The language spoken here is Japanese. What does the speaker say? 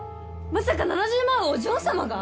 まさか７０万はお嬢様が！？